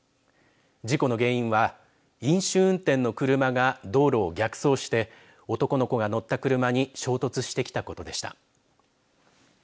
事故の原因は飲酒運転の車が道路を逆走して男の子が乗った車に衝突してきたことでした。